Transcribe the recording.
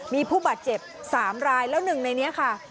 มีผู้บัดเจ็บ๓รายแล้ว๑ในนี้ค่ะ